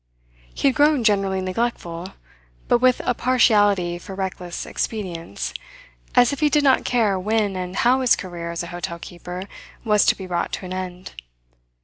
He had grown generally neglectful, but with a partiality for reckless expedients, as if he did not care when and how his career as a hotel keeper was to be brought to an end.